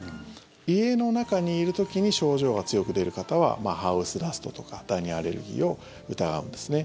家の中にいる時に症状が強く出る方はハウスダストとかダニアレルギーを疑うんですね。